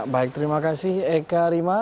baik terima kasih eka rima